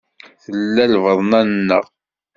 Tella d lbaḍna-nneɣ.